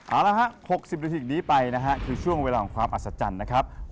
เอาละฮะ๖๐นาทีนี้ไปนะฮะคือช่วงเวลาของความอัศจรรย์นะครับ